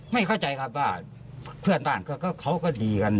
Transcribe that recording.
ไม่เข้าใจครับว่าเพื่อนบ้านเขาก็ดีกัน